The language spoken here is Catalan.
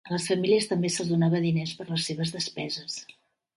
A les famílies també se'ls donava diners per a les seves despeses.